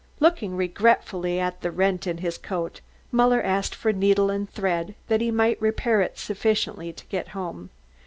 Looking regretfully at the rent in his coat, Muller asked for needle and thread that he might repair it sufficiently to get home.